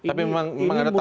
tapi memang ada taunya